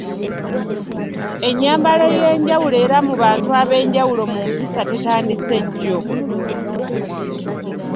Ennyambala ey‘enjawulo era mu bantu ab‘enjawulo mu mpisa tetandise jjo.